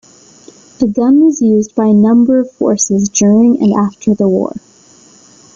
The gun was used by a number of forces during and after the war.